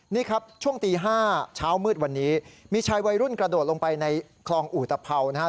นี่ครับช่วงตี๕เช้ามืดวันนี้มีชายวัยรุ่นกระโดดลงไปในคลองอุตภัวนะครับ